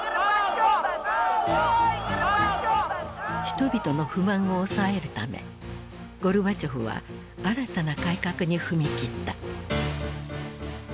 人々の不満を抑えるためゴルバチョフは新たな改革に踏み切った。